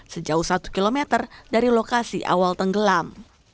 sejauh satu km dari lokasi awal tenggelam